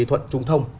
thuận trung thông